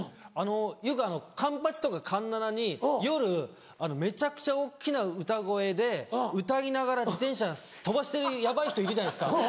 よく環八とか環七に夜めちゃくちゃ大っきな歌声で歌いながら自転車飛ばしてるヤバい人いるじゃないですか。